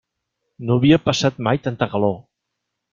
No havia passat mai tanta calor.